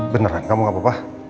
beneran kamu gakpapa